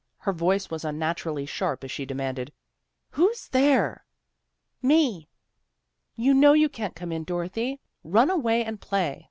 Her voice was unnaturally sharp as she demanded, "who's there? " "Me." ' You know you can't come in, Dorothy. Run away and play."